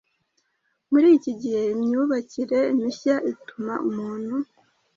Muri iki gihe imyubakire mishya ituma umuntu